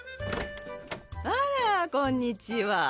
あらこんにちは。